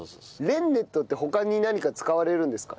レンネットって他に何か使われるんですか？